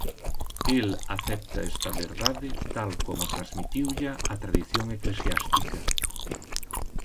El acepta esta verdade tal como transmitiulla a tradición eclesiástica.